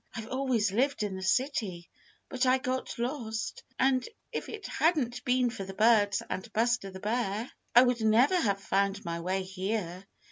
I've always lived in the city, but I got lost, and if it hadn't been for the birds and Buster the Bear I would never have found my way here.